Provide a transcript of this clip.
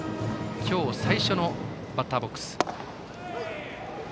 今日最初のバッターボックス。